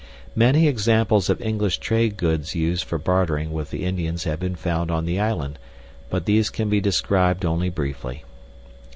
Many examples of English trade goods used for bartering with the Indians have been found on the island, but these can be described only briefly.